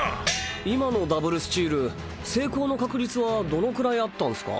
今のダブルスチール成功の確率はどのくらいあったんスか？